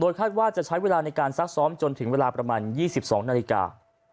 คาดว่าจะใช้เวลาในการซักซ้อมจนถึงเวลาประมาณ๒๒นาฬิกา